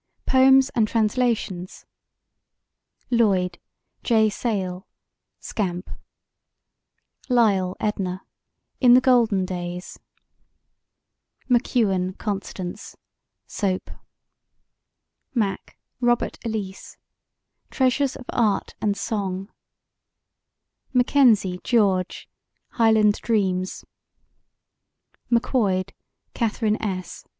Poems and Translations LLOYD, J. SALE: Scamp LYALL, EDNA: In the Golden Days MACEWEN, CONSTANCE: Soap MACK, ROBERT ELLICE: Treasures of Art and Song MACKENZIE, GEORGE: Highland Daydreams MACQUOID, KATHERINE S.